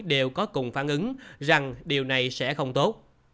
đều có cùng phản ứng rằng điều này sẽ không tốt